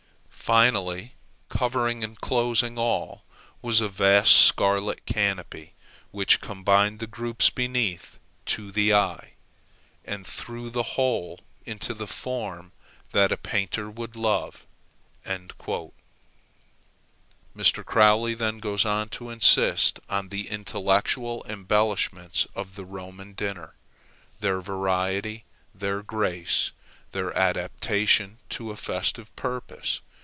Finally, covering and closing all, was a vast scarlet canopy, which combined the groups beneath to the eye, and threw the whole into the form that a painter would love." Mr. Croly then goes on to insist on the intellectual embellishments of the Roman dinner; their variety, their grace, their adaptation to a festive purpose.